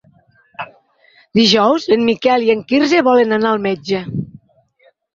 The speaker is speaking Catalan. Dijous en Miquel i en Quirze volen anar al metge.